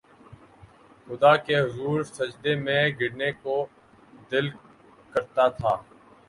خدا کے حضور سجدے میں گرنے کو دل کرتا تھا